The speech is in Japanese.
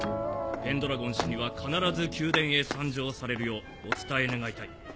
ペンドラゴン師には必ず宮殿へ参上されるようお伝え願いたい。